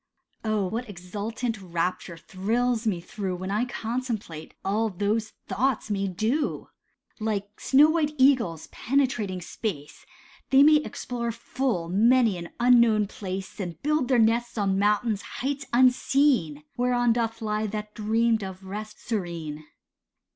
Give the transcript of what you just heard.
Oh, what exultant rapture thrills me through When I contemplate all those thoughts may do; Like snow white eagles penetrating space, They may explore full many an unknown place, And build their nests on mountain heights unseen, Whereon doth lie that dreamed of rest serene.